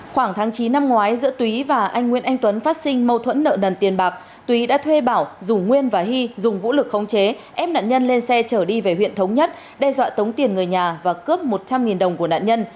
khoảng tháng chín năm ngoái giữa túy và anh nguyễn anh tuấn phát sinh mâu thuẫn nợ nần tiền bạc túy đã thuê bảo rủ nguyên và hy dùng vũ lực khống chế ép nạn nhân lên xe chở đi về huyện thống nhất đe dọa tống tiền người nhà và cướp một trăm linh đồng của nạn nhân